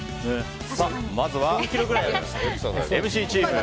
まずはＭＣチーム。